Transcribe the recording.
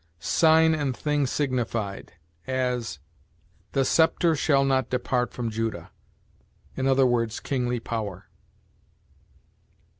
Sign and thing signified; as, 'The scepter shall not depart from Judah,' i. e., kingly power.